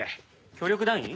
協力団員？